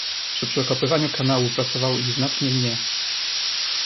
Przy przekopywaniu kanału pracowało ich znacznie mnie.